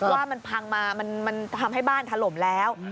ว่ามันพังมามันทำให้บ้านถล่มแล้ว